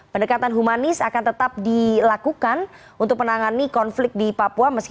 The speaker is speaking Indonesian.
pendekatan humanis akan tetap dilakukan untuk menangani konflik di papua